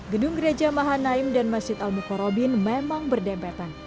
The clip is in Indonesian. gedung gereja mahanaim dan masjid al mukarrabin memang berdebetan